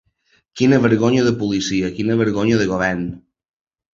Quina vergonya de policia, quina vergonya de govern.